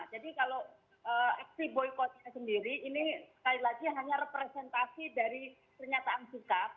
jadi kalau aksi boykotnya sendiri ini sekali lagi hanya representasi dari pernyataan sikap